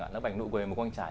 nó bằng nụ cười một quang trải